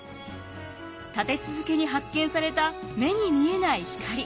立て続けに発見された目に見えない光。